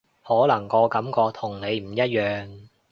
可能個感覺同你唔一樣